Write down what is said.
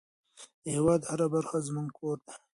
د هېواد هره برخه زموږ کور دی.